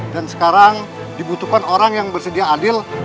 dan sekarang dibutuhkan orang yang bersedia adil